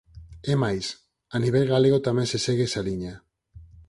É mais, a nivel galego tamén se segue esa liña.